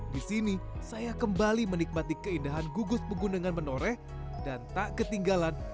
di sini saya kembali menikmati keindahan gugus pegunungan menoreh dan tak ketinggalan